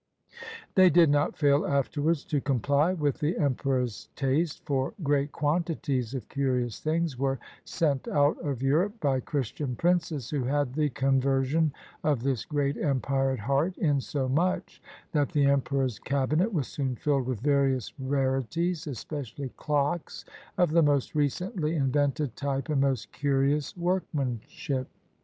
They did not fail afterwards to comply with the em peror's taste, for great quantities of curious things were sent out of Europe by Christian princes, who had the conversion of this great empire at heart, insomuch that the emperor's cabinet was soon filled with various rari ties, especially clocks of the most recently invented t}^e and most curious workmanship.